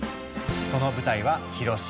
その舞台は広島。